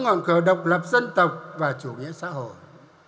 ngọn cờ độc lập dân tộc và chủ nghĩa xã hội